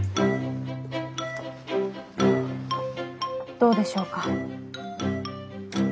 どうでしょうか？